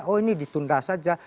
oh ini ditunda saja